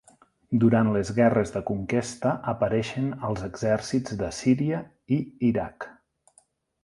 Durant les guerres de conquesta apareixen als exèrcits de Síria i Iraq.